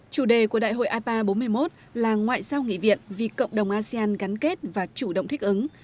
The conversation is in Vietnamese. chủ đề của đại hội ipa bốn mươi một là ngoại giao nghị viện vì cộng đồng asean gắn kết và chủ động thích ứng